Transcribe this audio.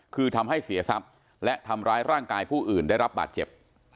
คือทำให้เสียทรัพย์และทำร้ายร่างกายผู้อื่นได้รับบาดเจ็บ